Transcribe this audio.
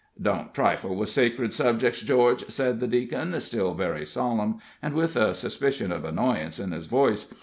"Don't trifle with sacrid subjec's, George," said the Deacon, still very solemn, and with a suspicion of annoyance in his voice.